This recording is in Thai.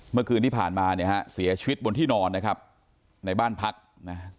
เมื่อคืนที่ผ่านมาเนี่ยฮะเสียชีวิตบนที่นอนนะครับในบ้านพักนะฮะ